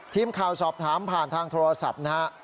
ทีมข่าวสอบถามผ่านทางโทรศัพท์นะฮะ